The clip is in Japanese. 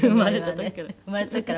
「生まれた時から」